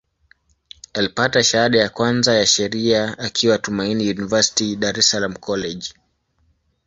Alipata shahada ya kwanza ya Sheria akiwa Tumaini University, Dar es Salaam College.